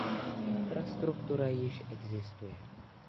Infrastruktura již existuje.